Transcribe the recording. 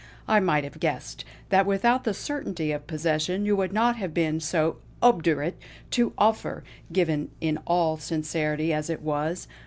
I might have guessed, that without the certainty of possession you would not have been so obdurate to my offer, given in all sincerity as it was.